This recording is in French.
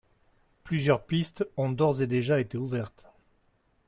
Plusieurs pistes ont d’ores et déjà été ouvertes.